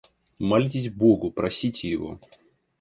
Молитесь Богу, просите Его.